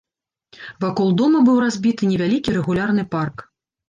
Вакол дома быў разбіты невялікі рэгулярны парк.